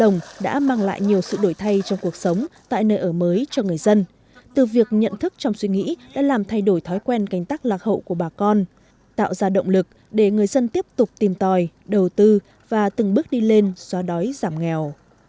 nhiều hình thức trong suy nghĩ đã làm thay đổi thói quen cánh tắc lạc hậu của bà con tạo ra động lực để người dân tiếp tục tìm tòi đầu tư và từng bước đi lên do đói giảm nghèo